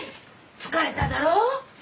疲れただろ？